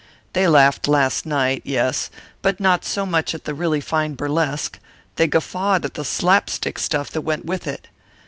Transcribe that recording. They laughed last night, yes; but not so much at the really fine burlesque; they guffawed at the slap stick stuff that went with it.